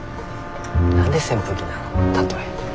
何で扇風機なの例え。